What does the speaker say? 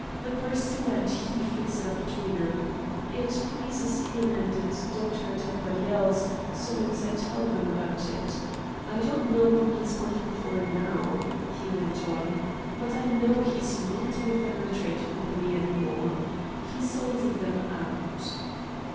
The purser and he fix it up between 'em. It pleases him, and it don't hurt anybody else, so long as I tell them about it. I don't know who he's working for now," he went on, "but I know he's not with the Nitrate Company any more. He sold them out."